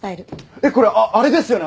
えっこれあれですよね！？